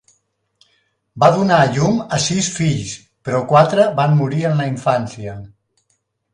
Va donar a llum a sis fills, però quatre van morir en la infància.